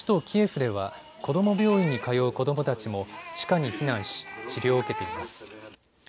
キエフでは子ども病院に通う子どもたちも地下に避難し治療を受けています。